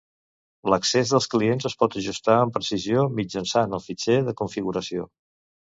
L'accés dels clients es pot ajustar amb precisió mitjançant el fitxer de configuració.